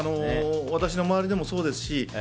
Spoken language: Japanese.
私の周りでもそうですし。